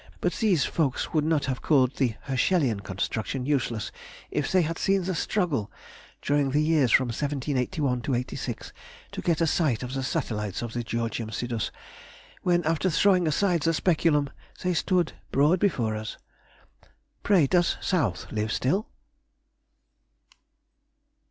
But these folks would not have called the Herschelian construction useless if they had seen the struggle, during the years from 1781 to '86, to get a sight of the Satellites of the Georgium Sidus, when, after throwing aside the speculum, they stood broad before us.... Pray, does South live still?